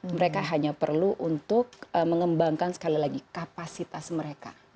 mereka hanya perlu untuk mengembangkan sekali lagi kapasitas mereka